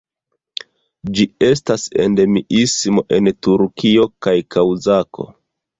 Ĝi estas endemismo en Turkio kaj Kaŭkazo.